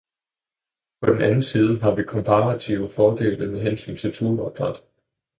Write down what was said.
På den anden side har vi komparative fordele med hensyn til tunopdræt.